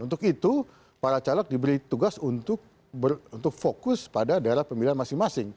untuk itu para caleg diberi tugas untuk fokus pada daerah pemilihan masing masing